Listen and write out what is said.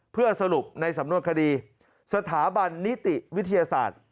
เพื่อสรุปในสำนวนคดีสถาบันนิติวิทยาศาสตร์